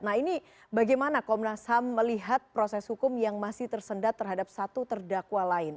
nah ini bagaimana komnas ham melihat proses hukum yang masih tersendat terhadap satu terdakwa lain